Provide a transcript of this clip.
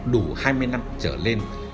đủ hai mươi năm trở lên